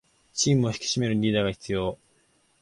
チームを引き締めるリーダーが必要